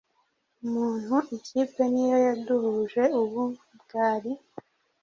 umuntu ikipe niyo yaduhuje ubu byari